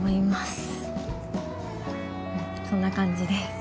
そんな感じです。